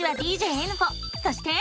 そして。